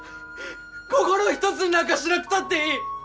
心を一つになんかしなくたっていい。